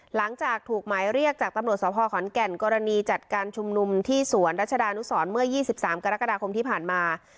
หลังจากถูกหมายเรียกจากตำรวจสภขอนแก่นกรณีจัดการชุมนุมที่สวนรัชดานุสรเมื่อ๒๓กรกฎาคมที่ผ่านมา